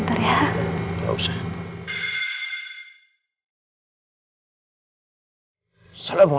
tapi aku punya satu alasan